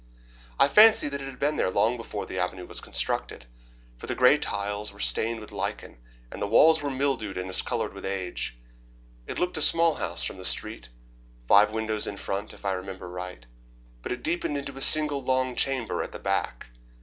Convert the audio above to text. I fancy that it had been there long before the avenue was constructed, for the grey tiles were stained with lichens, and the walls were mildewed and discoloured with age. It looked a small house from the street, five windows in front, if I remember right, but it deepened into a single long chamber at the back.